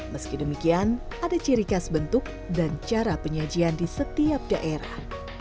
meski demikian ada ciri khas bentuk dan cara penyajian di setiap daerah